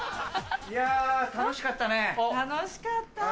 いや楽しかったね。